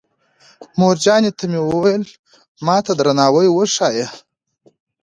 مورجانې ته مې ویل: ما ته ناوې وښایه.